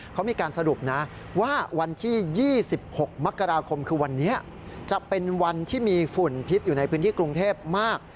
เขามีการสรุปนะว่าวันที่๒๖มกราคมคือวันนี้จะเป็นวันที่มีฝุ่นพิษอยู่ในพื้นที่กรุงเทพมาก